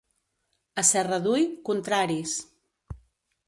A Serradui, contraris.